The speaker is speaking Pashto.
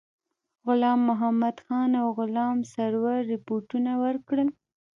غلام محمدخان او غلام سرور رپوټونه ورکړل.